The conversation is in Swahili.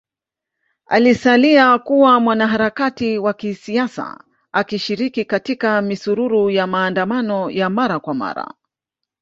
Alisalia kuwa mwanaharakati wa kisiasa akishiriki katika misururu ya maandamano ya mara kwa mara